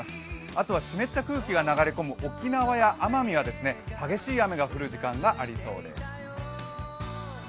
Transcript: あとは湿った空気が流れ込む沖縄や奄美は激しい雨が降る時間がありそうです。